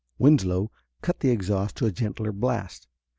Winslow cut the exhaust to a gentler blast.